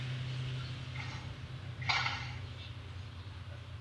Později trénoval ligové družstvo Baníku Ostrava a československou reprezentaci.